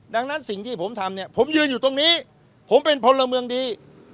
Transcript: ดังนั้นสิ่งที่ผมทำเนี่ยผมยืนอยู่ตรงนี้ผมเป็นพลเมืองดี